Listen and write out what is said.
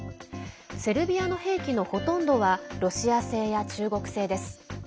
セルビアの兵器のほとんどはロシア製や中国製です。